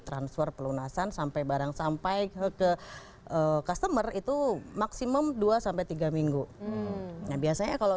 transfer pelunasan sampai barang sampai ke customer itu maksimum dua tiga minggu nah biasanya kalau